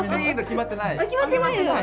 決まってないんだ！